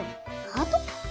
ハート？